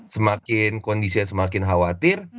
semakin kondisinya semakin khawatir